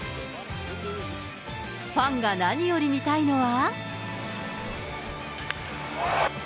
ファンが何より見たいのは。